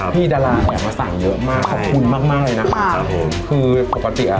พี่ดาราแอบมาสั่งเยอะมากขอบคุณมากมากเลยนะครับครับคือปกติอ่ะ